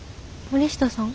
森下さん？